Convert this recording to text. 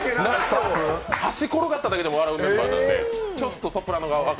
箸転がっただけでも笑うメンバーなんで、ちょっとソプラノでは分か